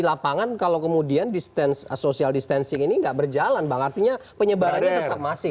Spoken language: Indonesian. lapangan kalau kemudian distance social distancing ini enggak berjalan bangetnya penyebaran masih